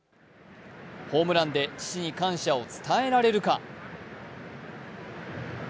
ホームランで父に感謝を伝えられるか。